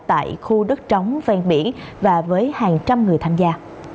tại khu đất trống ven biển và với hàng trăm người tham gia